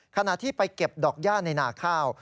ขณะที่ไปเก็บดอกย่าในนาข้าว